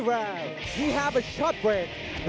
ไม่ไปช่วยมีเวลาแพ้